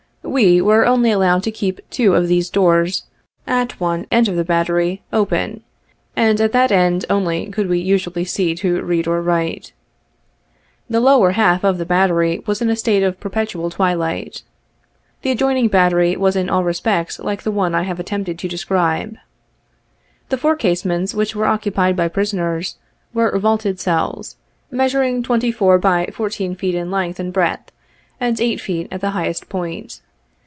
We were only allowed to keep two of these doors, at one end of the battery, open, and at that end only could we usually see to read or write. The lower half of the battery was in a state of perpetual twilight. The adjoining battery was in all respects like the one I have attempted to describe. The four casemates which, were occupied by prisoners, were vaulted cells, measuring twenty four by fourteen feet in length and breadth, and eight feet at the highest point.